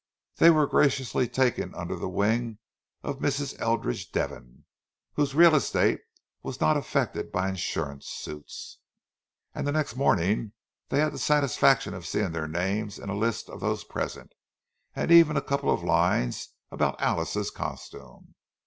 They were graciously taken under the wing of Mrs. Eldridge Devon—whose real estate was not affected by insurance suits; and the next morning they had the satisfaction of seeing their names in the list of those present—and even a couple of lines about Alice's costume.